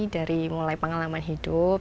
dari mulai pengalaman hidup